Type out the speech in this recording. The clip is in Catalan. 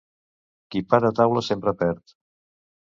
Qui para taula sempre perd.